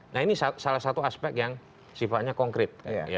nah ini salah satu aspek yang sifatnya konkret